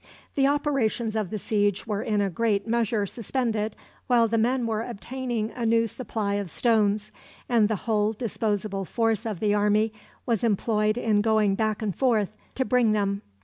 The operations of the siege were in a great measure suspended while the men were obtaining a new supply of stones, and the whole disposable force of the army was employed in going back and forth to bring them.